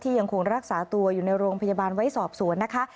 ยังคงรักษาตัวอยู่ในโรงพยาบาลไว้สอบสวนนะคะ